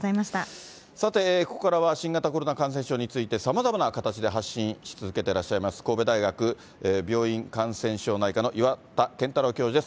さて、ここからは新型コロナ感染症について、さまざまな形で発信し続けてらっしゃいます、神戸大学病院感染症内科の岩田健太郎教授です。